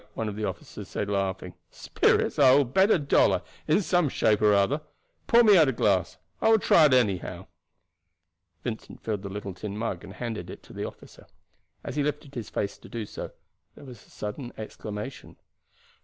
one of the officers said laughing. "Spirits, I will bet a dollar, in some shape or other. Pour me out a glass. I will try it, anyhow." Vincent filled the little tin mug, and handed it to the officer. As he lifted his face to do so there was a sudden exclamation.